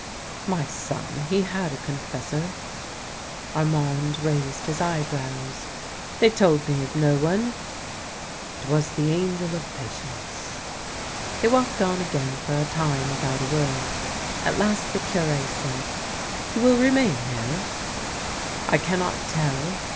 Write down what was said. " My son, he had a confessor." Armand raised his eyebrows. " They told me of no one." " It was the Angel of Patience." They walked on again for a time without a word. At last the Cure said, " You will remain here ?"" I cannot tell.